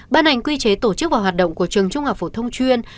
ban hành quy chế tổ chức và hoạt động của trường trung học phổ thông chuyên